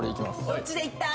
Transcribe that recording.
どっちでいった？